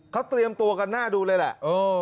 เขาเตรียมตัวกันหน้าดูเลยแหละ